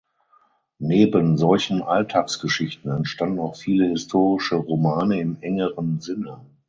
Neben solchen Alltagsgeschichten entstanden auch viele historische Romane im engeren Sinne.